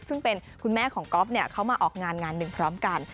ซึ่งเป็นคุณแม่ของก๊อฟเขามาออกงานงานหนึ่งพร้อมกัน